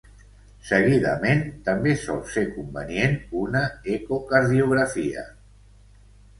Seguidament també sol ser convenient una ecocardiografia.